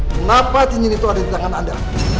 kenapa cincin itu ada di tangan anda